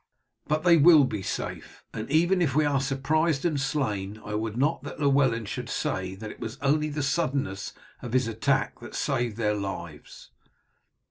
"But they will be safe, and even if we are surprised and slain I would not that Llewellyn should say that it was only the suddenness of his attack that saved their lives.